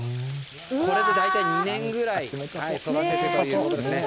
これで大体２年くらい育てたということです。